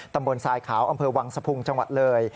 ทรายขาวอำเภอวังสะพุงจังหวัดเลย